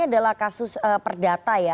adalah kasus perdata ya